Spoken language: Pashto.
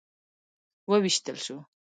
وویشتل شو.